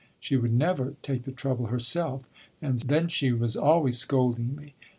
She would never take the trouble herself. And then she was always scolding me. Mrs.